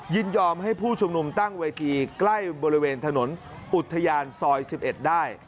ยินยอมให้ผู้ชุมนุมตั้งเวทีใกล้บริเวณถนนอุทยานซอย๑๑ได้